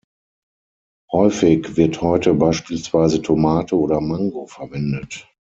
Häufig wird heute beispielsweise Tomate oder Mango verwendet.